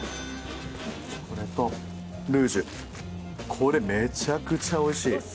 これめちゃくちゃおいしい。